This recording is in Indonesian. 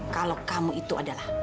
kalau kamu itu adalah